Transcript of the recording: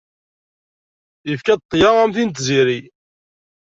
Yefka-d ṭṭya, am tin n tziri.